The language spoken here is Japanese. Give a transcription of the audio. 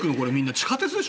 地下鉄でしょ？